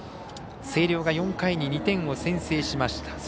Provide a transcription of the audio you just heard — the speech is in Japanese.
星稜が４回に２点を先制しました。